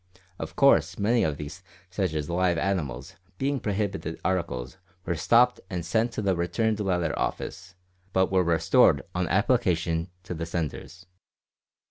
Of course, many of these, such as live animals, being prohibited articles, were stopped and sent to the Returned Letter Office, but were restored, on application, to the senders."